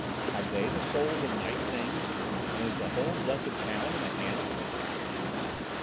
Have they the souls of night things, and is the whole blessed town in the hands of the cats?"